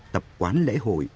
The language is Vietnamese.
tập quán lễ hội